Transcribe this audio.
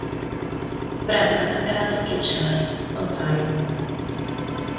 Brendan è nato a Kitchener, Ontario.